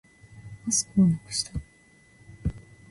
マウスをなくした